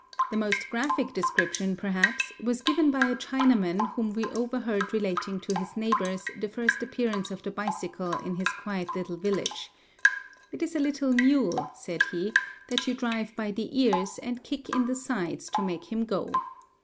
The most graphic description, perhaps, was given by a Chinaman whom we overheard relating to his neighbors the first VI 207 appearance of the bicycle in his quiet little village. "It is a little mule," said he, "that you drive by the ears, and kick in the sides to make him go."